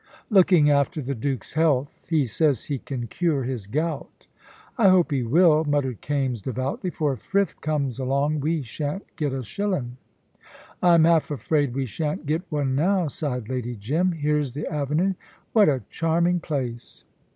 "Looking after the Duke's health. He says he can cure his gout." "I hope he will," muttered Kaimes, devoutly. "For if Frith comes along we shan't get a shillin'!" "I'm half afraid we shan't get one now," sighed Lady Jim. "Here's the avenue. What a charming place!"